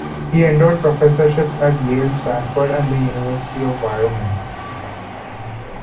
He endowed professorships at Yale, Stanford, and the University of Wyoming.